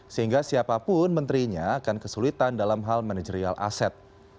sehingga siapapun menterinya akan kesulitan dalam hal manajerial aset